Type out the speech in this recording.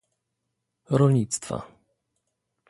Rolnictwa